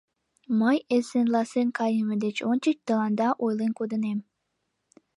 Мый эсенласен кайыме деч ончыч тыланда ойлен кодынем.